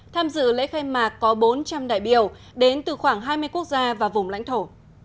tham dự lễ khai mạc có bốn trăm linh đại biểu đến từ khoảng hai mươi quốc gia và vùng lãnh thổ